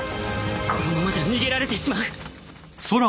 このままじゃ逃げられてしまう